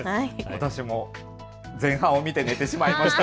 私も前半を見て寝てしまいました。